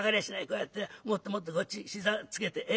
こうやってもっともっとこっち膝つけてえ？